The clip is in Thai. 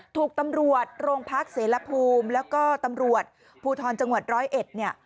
ถูกตำรวจโรงพักเสรภูมิแล้วก็ตำรวจภูทรจังหวัดร้อยเอ็ดเนี่ย